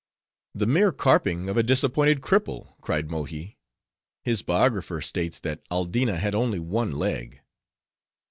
'" "The mere carping of a disappointed cripple," cried Mold. His biographer states, that Aldina had only one leg."